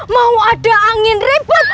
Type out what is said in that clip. mau ada angin ribut